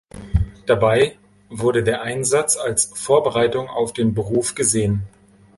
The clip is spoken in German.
Dabei wurde der Einsatz als Vorbereitung auf den Beruf gesehen.